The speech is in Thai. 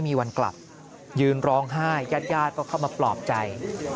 มีวันกลับยืนร้องไห้ญาติญาติก็เข้ามาปลอบใจ